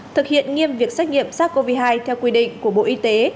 thực hiện nghiêm việc xét nghiệm sars cov hai theo quy định của bộ y tế